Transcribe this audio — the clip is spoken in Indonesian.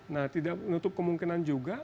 nah tidak menutup kemungkinan juga